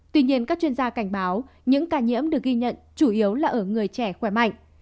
tuy nhiên các chuyên gia cảnh báo những ca nhiễm được ghi nhận chủ yếu là ở người trẻ khỏe mạnh